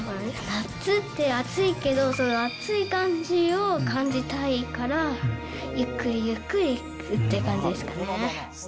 夏って暑いけど、その暑い感じを感じたいから、ゆっくりゆっくり行くって感じですかね。